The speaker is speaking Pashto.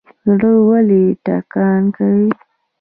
زړه ولې ټکان کوي؟